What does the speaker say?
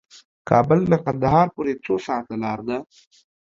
کابل نه قندهار پورې څو ساعته لار ده؟